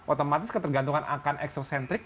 otomatis ketergantungan akan ekso sentrik